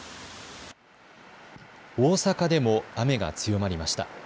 大阪でも雨が強まりました。